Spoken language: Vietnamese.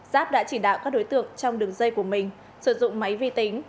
giáp đã chỉ đạo các đối tượng trong đường dây của mình sử dụng máy vi tính